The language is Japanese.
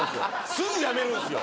すぐやめるんですよ